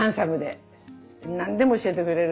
何でも教えてくれる。